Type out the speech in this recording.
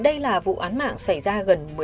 đây là vụ án mạng xảy ra gần một mươi ba